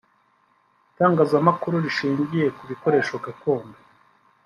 b) Itangazamakuru rishingiye ku bikoresho gakondo